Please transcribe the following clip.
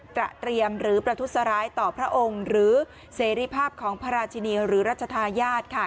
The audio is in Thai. เตรียมหรือประทุษร้ายต่อพระองค์หรือเสรีภาพของพระราชินีหรือรัชธาญาติค่ะ